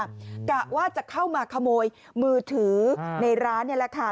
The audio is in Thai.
กะว่าจะเข้ามาขโมยมือถือในร้านนี่แหละค่ะ